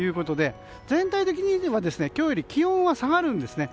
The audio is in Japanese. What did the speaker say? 全体的に見れば今日より気温は下がるんですね。